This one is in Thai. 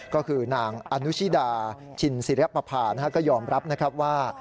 ก็คือนางอนุชิดาชินศิริปภาก็ยอมรับนะครับว่า